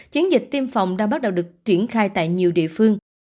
chiến dịch tiêm phòng đã bắt đầu được triển khai tại nhiều địa phương